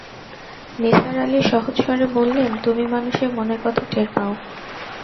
নিসার আলি সহজ স্বরে বললেন, তুমি মানুষের মনের কথা টের পাও।